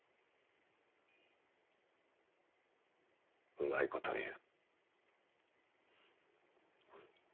うまいことを言う。